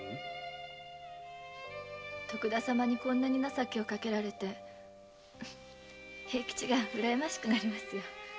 徳田様にこんなに情けをかけられ平吉がうらやましくなりますよ。